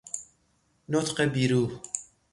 نطق بیروح